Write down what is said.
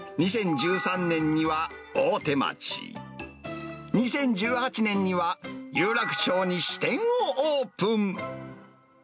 さらに、２０１３年には大手町、２０１８年には、有楽町に支店をオープン。